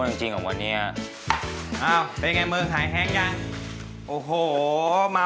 โอ้โหขาดคิดอะไรมาเอาหลับทุกที